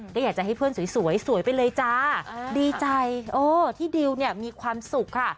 ก็อยากจะให้เพื่อนสวยสวยไปเลยจ้าดีใจที่ดิวเนี่ยมีความสุขค่ะ